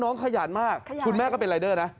ขยันมากคุณแม่ก็เป็นรายเดอร์นะ